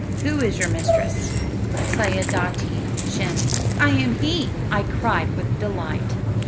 "Who is your mistress?" "Sayadaatee Shems." "I am he!" I cried with delight.